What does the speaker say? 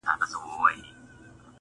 یو ګیلاس مې چای صرف د سحر خوړلی دی